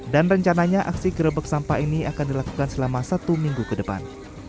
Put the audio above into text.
dan rencananya aksi gerebek sampah ini akan dilakukan selama satu minggu ke depan